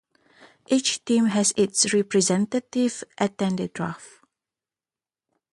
Each team has its representatives attend the draft.